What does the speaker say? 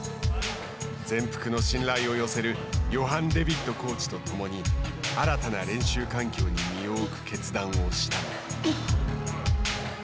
全幅の信頼を寄せるヨハン・デ・ヴィットコーチと共に新たな練習環境に身を置く決断をしたのだ。